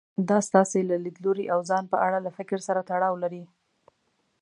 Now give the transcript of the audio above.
دا ستاسې له ليدلوري او ځان په اړه له فکر سره تړاو لري.